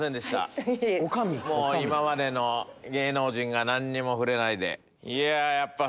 今までの芸能人が何にも触れないで。